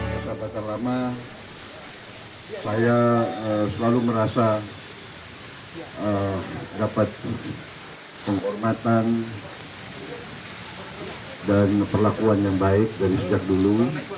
saya katakan lama saya selalu merasa dapat penghormatan dan perlakuan yang baik dari sejak dulu